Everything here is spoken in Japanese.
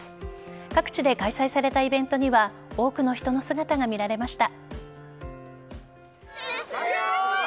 各地で開催されたイベントには多くの人の姿が見られました。